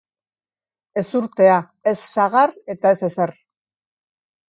Ezurtea, ez sagar eta ez ezer.